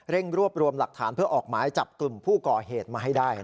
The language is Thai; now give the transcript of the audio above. รวบรวมหลักฐานเพื่อออกหมายจับกลุ่มผู้ก่อเหตุมาให้ได้